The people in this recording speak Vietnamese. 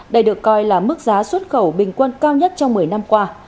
đây được coi là mức giá xuất khẩu bình quân cao nhất trong một mươi năm qua